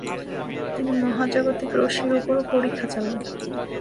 তিনি মহাজাগতিক রশ্মির উপরও পরীক্ষা চালান।